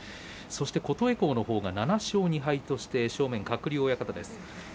琴恵光のほうが７勝２敗として、正面は鶴竜親方です。